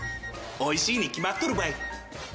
おいしいに決まっとるばい！